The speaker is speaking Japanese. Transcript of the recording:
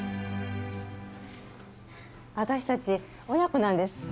私たち母娘なんです。